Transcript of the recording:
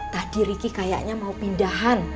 tadi riki kayaknya mau pindahan